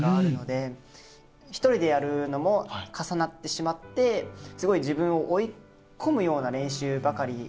一人でやるのも重なってしまってすごい自分を追い込むような練習ばかり。